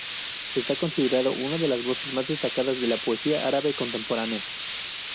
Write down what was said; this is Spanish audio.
Está considerado una de las voces más destacadas de la poesía árabe contemporánea.